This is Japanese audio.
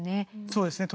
そうですね。